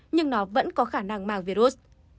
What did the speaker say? nhưng nó vẫn có khả năng mang virus